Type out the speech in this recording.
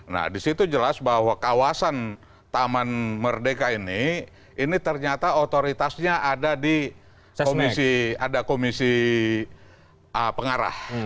nah disitu jelas bahwa kawasan taman merdeka ini ini ternyata otoritasnya ada di komisi pengarah